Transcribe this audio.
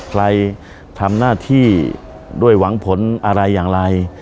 ใครทำหน้าที่ด้วยหวังผลอะไรอย่างไร